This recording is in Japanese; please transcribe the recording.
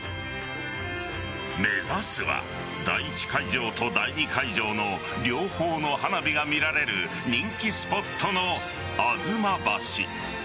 目指すは第１会場と第２会場の両方の花火が見られる人気スポットの吾妻橋。